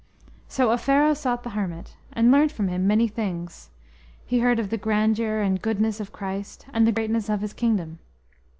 So Offero sought the hermit, and learnt from him many things. He heard of the grandeur and goodness of Christ, and of the greatness of His Kingdom.